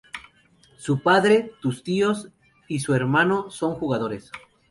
Su padre, tus tíos y su hermano son jugadores.